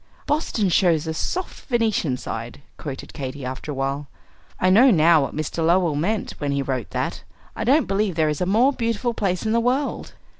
"'Boston shows a soft Venetian side,'" quoted Katy, after a while. "I know now what Mr. Lowell meant when he wrote that. I don't believe there is a more beautiful place in the world."